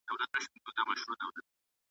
پر منبر یې نن ویله چي غلام به وي مختوری .